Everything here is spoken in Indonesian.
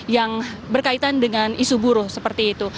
yang berkaitan dengan isu buruh seperti itu